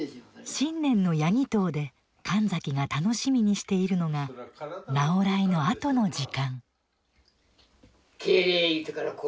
新年の家祈祷で神崎が楽しみにしているのが直会のあとの時間。